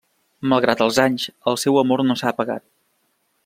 Malgrat els anys, el seu amor no s'ha apagat…